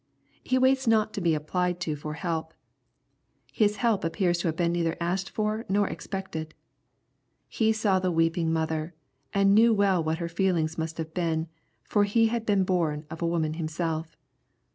He waits not to be applied to for help. His help appears to have been neither asked for nor expected. He saw the weeping mother, and knew well what her feelings must have been, for He had been born of a woman Himself.